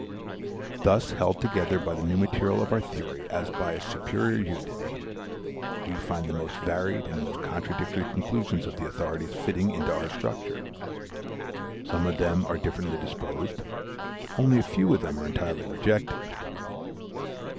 Thus held together by the new material of our theory as by a superior unity, we find the most varied and most contradictory conclusions of the authorities fitting into our structure; some of them are differently disposed, only a few of them are entirely rejected.